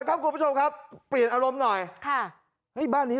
ครับคุณผู้ชมครับเปลี่ยนอารมณ์หน่อย